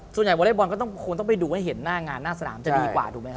วอเล็กบอลก็ต้องคงต้องไปดูให้เห็นหน้างานหน้าสนามจะดีกว่าถูกไหมครับ